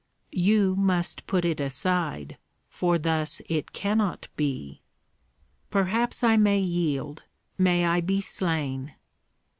"You must put it aside, for thus it cannot be." "Perhaps I may yield, may I be slain!